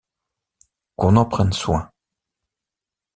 Qu’on en prenne soin.